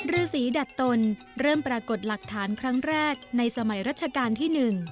ฤษีดัดตนเริ่มปรากฏหลักฐานครั้งแรกในสมัยรัชกาลที่๑